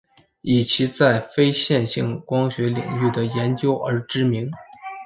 以其在非线性光学领域的研究而知名。